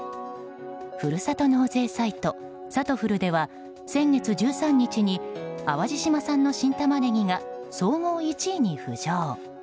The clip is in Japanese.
ふるさと納税サイトさとふるでは先月１３日に淡路島産の新タマネギが総合１位に浮上。